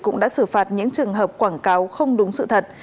cũng đã xử phạt những trường hợp quảng cáo không đúng sự thật